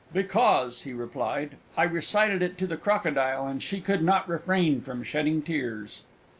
"Because," he replied, "I recited it to the Crocodile, and she could not refrain from shedding tears!"